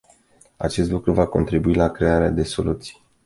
Acest lucru va contribui la crearea de soluții.